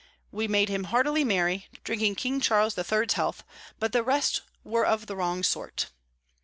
We made him heartily merry, drinking King Charles the Third's Health; but the rest were of the wrong sort.